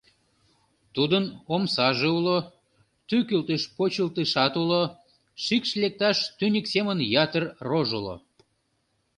Тудын омсаже уло, тӱкылтыш-почылтышат уло, шикш лекташ тӱньык семын ятыр рож уло.